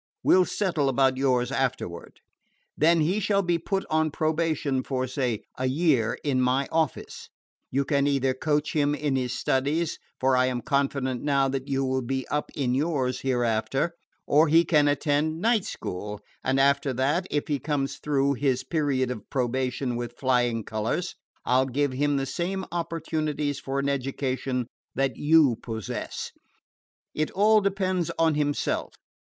We 'll settle about yours afterward. Then he shall be put on probation for, say, a year in our office. You can either coach him in his studies, for I am confident now that you will be up in yours hereafter, or he can attend night school. And after that, if he comes through his period of probation with flying colors, I 'll give him the same opportunities for an education that you possess. It all depends on himself.